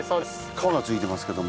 皮がついてますけども。